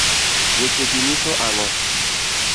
weche gi onyiso ang'o?